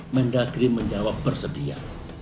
mendagri menjawab bersedia